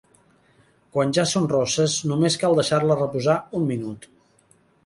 Quan ja són rosses, només cal deixar-les reposar un minut.